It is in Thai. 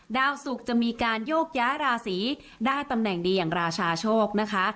ดาวสุกจะมีการโยกย้ายราศีได้ตำแหน่งดีอย่างราชาโชคนะคะ